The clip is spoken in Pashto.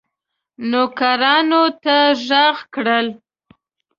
نوکرانو ته ږغ کړل.